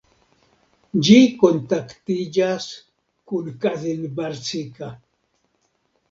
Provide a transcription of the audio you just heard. Ĝi kontaktiĝas kun Kazincbarcika.